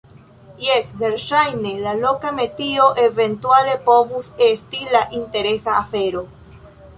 Jes, verŝajne, la loka metio eventuale povus esti la interesa afero.